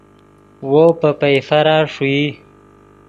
وو پے پئیفرا ݰوئی